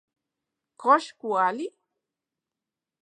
¿Kox kuali...?